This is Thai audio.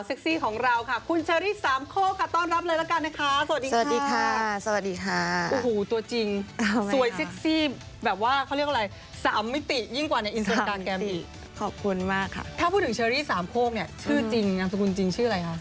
ของเราค่ะคุณเชอรี่สามโคกค่ะต้อนรับเลยละกันนะคะสวัสดีค่ะสวัสดีค่ะโอ้โหตัวจริงสวยเซ็กซี่แบบว่าเขาเรียกอะไรสามมิติยิ่งกว่าในอินสตาแกรมอีกขอบคุณมากค่ะถ้าพูดถึงเชอรี่สามโคกเนี่ยชื่อจริงนามสกุลจริงชื่ออะไรคะ